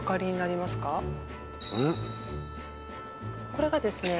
これがですね